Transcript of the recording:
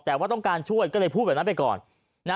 แต่ว่าต้องการช่วยก็เลยพูดแบบนั้นไปก่อน